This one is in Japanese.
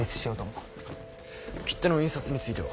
切手の印刷については？